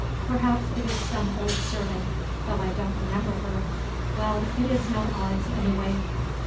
Perhaps it is some old servant, though I don't remember her. Well, it is no odds any way."